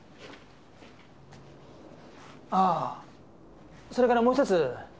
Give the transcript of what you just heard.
ああそれからもう１つ。